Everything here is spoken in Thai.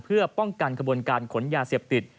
เพื่อป้องกันกระบวนการขนยาเสพติด